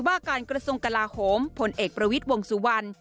ว่าการกระทรวงกลาโหมพลเอกประวิทย์วงสุวรรณ